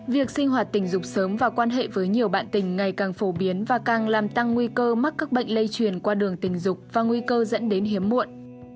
việc sinh hoạt tình dục sớm và quan hệ với nhiều bạn tình ngày càng phổ biến và càng làm tăng nguy cơ mắc các bệnh lây truyền qua đường tình dục và nguy cơ dẫn đến hiếm muộn